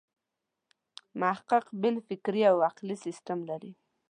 محقق بېل فکري او عقلي سیسټم لري.